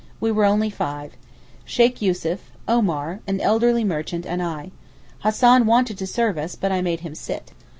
We were only five. Sheykh Yussuf, Omar, an elderly merchant and I. Hassan wanted to serve us but I made him sit.